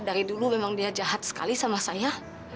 dari dulu memang dia jahat sekali sama saya